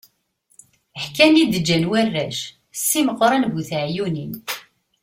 Ḥkan i d-ǧǧan warrac, Si Meqran bu teɛyunin.